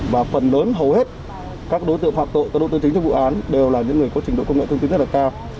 và phần lớn hầu hết các đối tượng phạm tội các độ tương chính trong vụ án đều là những người có trình độ công nghệ thông tin rất là cao